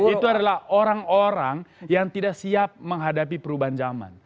itu adalah orang orang yang tidak siap menghadapi perubahan zaman